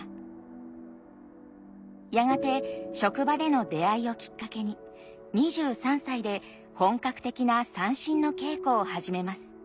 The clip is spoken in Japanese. やがて職場での出会いをきっかけに２３歳で本格的な三線の稽古を始めます。